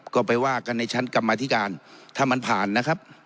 ก็ไปว่ากันในชั้นกรรมธิการถ้ามันผ่านนะครับ